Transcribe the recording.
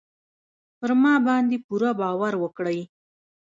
پر ما باندې پوره باور وکړئ.